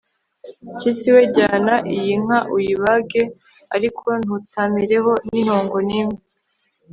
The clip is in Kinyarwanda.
mpyisi we, jyana iyi nka uyibage, ariko ntutamireho n'intongo n'imwe